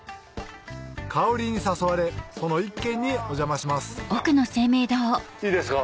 香りに誘われその一軒にお邪魔しますいいですか？